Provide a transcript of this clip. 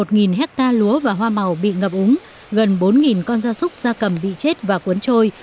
một một nghìn hecta lúa và hoa màu bị ngập úng gần bốn nghìn con da súc da cầm bị chết và cuốn trôi